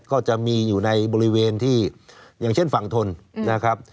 ก็จะมีอยู่ในบริเวณที่อย่างเช่นฝั่งทนนะครับ